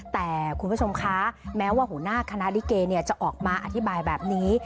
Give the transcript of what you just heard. แต่คุณผู้ชมคะแม้ว่าหัวหน้าคณะลิเกจะออกมาอธิบายแบบนี้